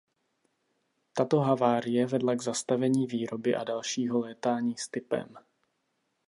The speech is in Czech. Tato havárie vedla k zastavení výroby a dalšího létání s typem.